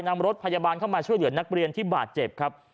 นำรถพยาบาลเข้ามาช่วยเหลือนักเรียนที่บาดเจ็บครับ